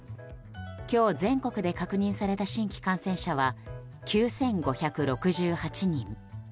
今日全国で確認された新規感染者は９５６８人。